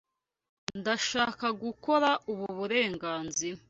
Ndashaka gukora ubu burenganzira.